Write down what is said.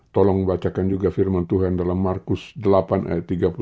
tolong bacakan juga firman tuhan dalam markus delapan ayat tiga puluh satu